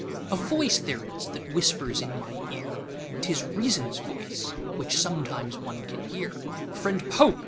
A voice there is, that whispers in my ear('T is Reason's voice, which sometimes one can hear),'Friend Pope!